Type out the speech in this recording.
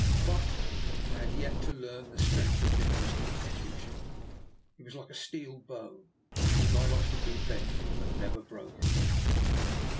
But I had yet to learn the strength of Nikola's constitution. He was like a steel bow — he might often be bent, but never broken.